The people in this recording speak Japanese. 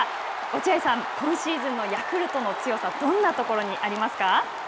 落合さん、今シーズンのヤクルトの強さ、どんなところにあります